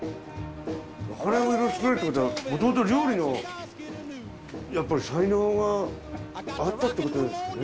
これをいろいろ作れるってことはもともと料理のやっぱり才能があったってことですかね？